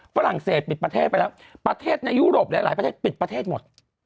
ฝรั่งเศสปิดประเทศไปแล้วประเทศในยุโรปหลายประเทศปิดประเทศหมด